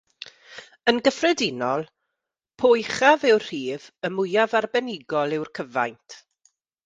Yn gyffredinol, po uchaf yw'r rhif, y mwyaf arbenigol yw'r cyfaint.